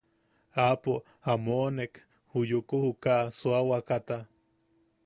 Aapo a moʼonek ju Yuku juka suawakata.